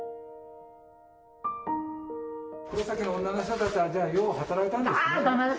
黒崎の女の人たちはじゃあよう働いたんですね？